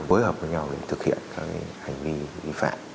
với hợp với nhau để thực hiện các việc này